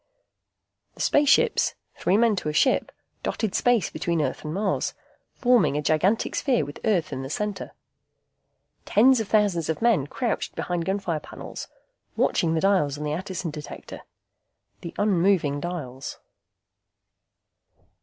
The spaceships, three men to a ship, dotted space between Earth and Mars, forming a gigantic sphere with Earth in the center. Tens of thousands of men crouched behind gunfire panels, watching the dials on the Attison Detector. The unmoving dials.